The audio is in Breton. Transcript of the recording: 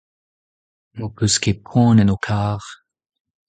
n'ho peus ket poan en ho kar.